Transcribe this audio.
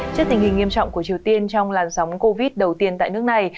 trước tình hình nghiêm trọng của triều tiên trong làn sóng covid đầu tiên tại nước này